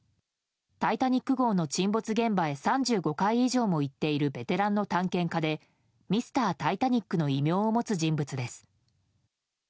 「タイタニック号」の沈没現場へ３５回以上も行っているベテランの探検家でミスタータイタニックの異名を持つ人物です。